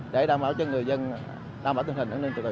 để đảm bảo cho người dân đảm bảo tình hình an ninh trật tự